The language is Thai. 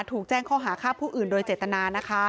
ถูกแจ้งข้อหาฆ่าผู้อื่นโดยเจตนานะคะ